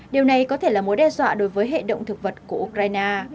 điều này có thể là mối đe dọa đối với hệ động thực vật của ukraine